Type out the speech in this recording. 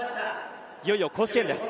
いよいよ甲子園です。